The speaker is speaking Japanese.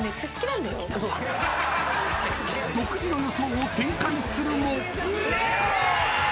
独自の予想を展開するも。